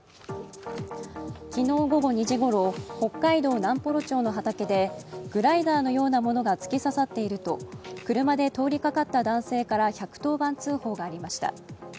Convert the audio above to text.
昨日午後２時ごろ北海道南幌町の畑でグライダーのようなものが突き刺さっていると車で通りかかった男性から１１０番通報がありました。